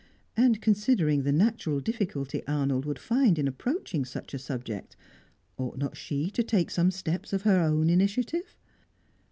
And, considering the natural difficulty Arnold would find in approaching such a subject, ought not she to take some steps of her own initiative?